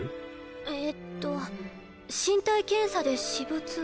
えっと身体検査で私物を。